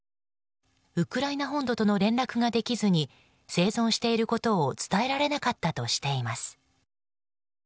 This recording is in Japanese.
ウクライナ本土との連絡ができずに生存していることを伝えられなかったとしています。